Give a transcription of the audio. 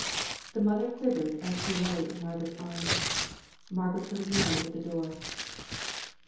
The mother quivered as she lay in Margaret's arms. Margaret heard a noise at the door.